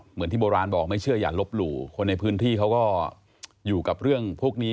เหมือนที่โบราณบอกไม่เชื่ออย่าลบหลู่คนในพื้นที่เขาก็อยู่กับเรื่องพวกนี้